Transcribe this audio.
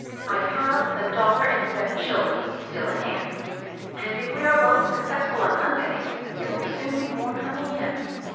I have a dollar and seven shillings still in hand, and if we are both successful on Monday, there will soon be more coming in.